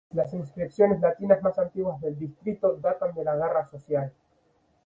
Las inscripciones latinas más antiguas del distrito datan de la guerra social.